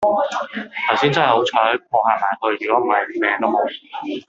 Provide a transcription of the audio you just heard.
求先真喺好彩冇行埋去如果唔喺命都冇